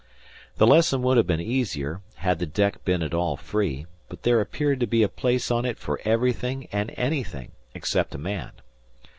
The lesson would have been easier had the deck been at all free; but there appeared to be a place on it for everything and anything except a man.